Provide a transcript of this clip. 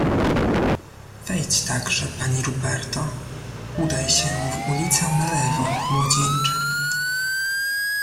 "Wejdź także pani Ruperto; udaj się w ulicę na lewo, młodzieńcze."